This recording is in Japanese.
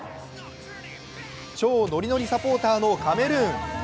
超ノリノリサポーターのカメルーン。